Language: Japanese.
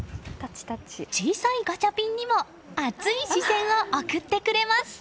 小さいガチャピンにも熱い視線を送ってくれます。